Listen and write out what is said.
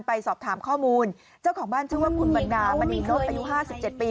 ไปสอบถามข้อมูลเจ้าของบ้านชื่อว่าคุณวันนามณีโน้ตอายุห้าสิบเจ็ดปี